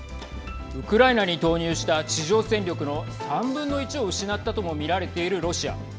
ウクライナに投入した地上戦力の３分の１を失ったとも見られているロシア。